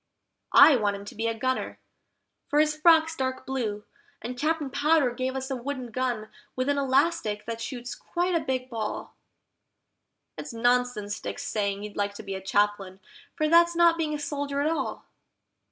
I want him to be a gunner, for his frock's dark blue, and Captain Powder gave us a wooden gun with an elastic that shoots quite a big ball. It's nonsense Dick's saying he'd like to be a Chaplain, for that's not being a soldier at all.